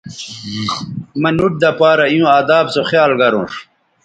مہ نُوٹ دہ پارہ ایوں اداب سو خیال گرونݜ